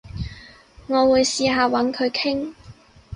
我會試下搵佢傾